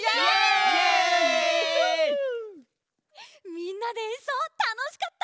みんなでえんそうたのしかった！